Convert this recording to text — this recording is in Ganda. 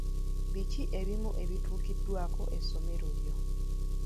Biki ebimu ebituukiddwako essomero lyo?